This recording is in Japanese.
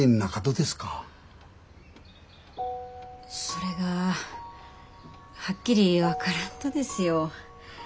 それがはっきり分からんとですよ。